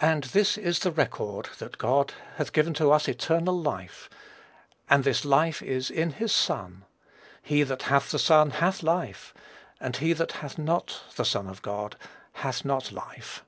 "And this is the record that God hath given to us eternal life, and this life is in his Son: he that hath the Son hath life, and he that hath not the Son of God hath not life."